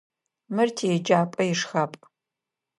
Мыр тиеджапӏэ ишхапӏ.